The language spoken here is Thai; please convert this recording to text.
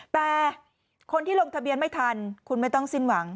แต่คนที่ลงทะเบียนไม่ทันคุณไม่ต้องสิ้นหวัง